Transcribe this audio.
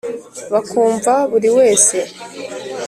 bakumva buri wese